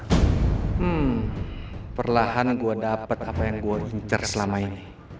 hmm perlahan gue dapat apa yang gue incer selama ini